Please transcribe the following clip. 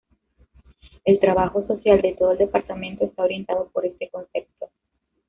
El trabajo social de todo el departamento está orientado por este concepto.